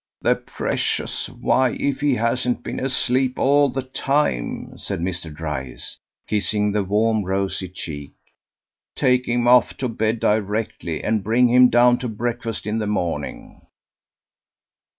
"The precious! why, if he hasn't been asleep all the time!" said Mr. Dryce, kissing the warm rosy cheek; "take him off to bed directly, and bring him down to breakfast in the morning."